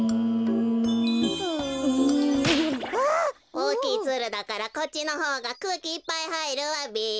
おおきいツルだからこっちのほうがくうきいっぱいはいるわべ。